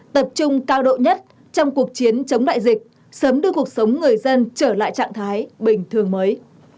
tập trung cao độ nhất trong cuộc chiến chống đại dịch sớm đưa cuộc sống người dân trở lại trạng thái bình thường mới